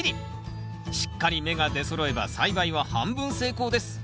しっかり芽が出そろえば栽培は半分成功です。